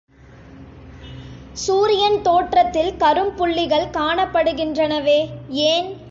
சூரியன் தோற்றத்தில் கரும்புள்ளிகள் காணப்படுகின்றனவே ஏன்?